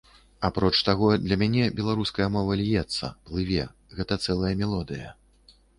Апроч таго, для мяне беларуская мова льецца, плыве, гэта цэлая мелодыя.